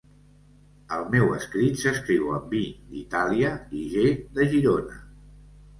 El meu escrit s'escriu amb i d'Itàlia i ge de Girona.